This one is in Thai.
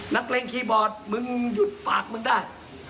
นักเลงคีย์บอร์ดมึงหยุดปากมึงได้